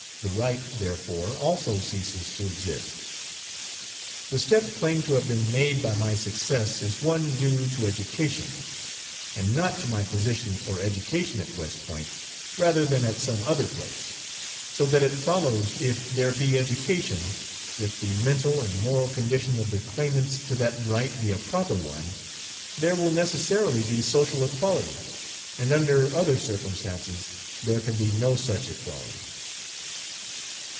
The right, therefore, also ceases to exist. The step claimed to have been made by my success is one due to education, and not to my position or education at West Point, rather than at some other place; so that it follows if there be education, if the mental and moral condition of the claimants to that right be a proper one, there will necessarily be social equality, and under other circumstances there can be no such equality.